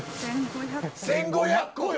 １，５００個よ！